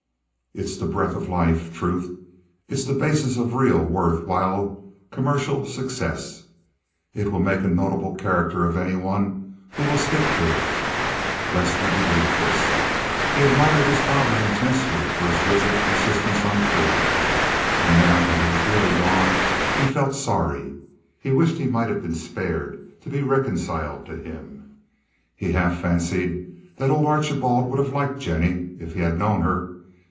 It's the breath of life—truth—it's the basis of real worth, while commercial success—it will make a notable character of any one who will stick to it." Lester believed this. He admired his father intensely for his rigid insistence on truth, and now that he was really gone he felt sorry. He wished he might have been spared to be reconciled to him. He half fancied that old Archibald would have liked Jennie if he had known her.